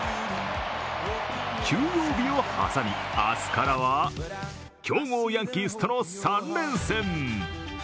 休養日を挟み、明日からは強豪ヤンキースとの３連戦。